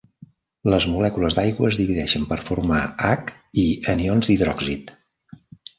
Les molècules d'aigua es divideixen per formar H i anions d'hidròxid.